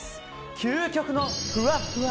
究極のふわっふわ